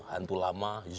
hantu lama zonk